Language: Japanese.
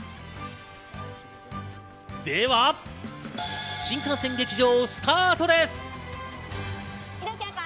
では、新幹線劇場スタートです。